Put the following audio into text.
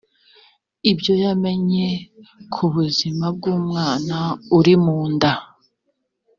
ibyo yamenye ku buzima bw umwana uri mu nda